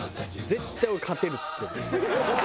絶対俺勝てるっつってる。